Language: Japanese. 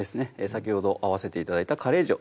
先ほど合わせて頂いたカレー塩